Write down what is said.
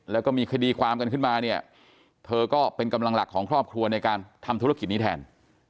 แล้วก็มีคดีความกันขึ้นมาเนี่ยเธอก็เป็นกำลังหลักของครอบครัวในการทำธุรกิจนี้แทน